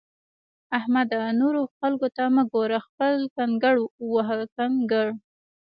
احمده! نورو خلګو ته مه ګوره؛ خپل کنګړ وهه کنکړ!